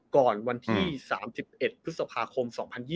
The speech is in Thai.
ก่อนวันที่๓๑พฤษภาคม๒๐๒๐